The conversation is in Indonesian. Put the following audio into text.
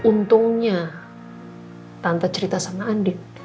untungnya tante cerita sama andik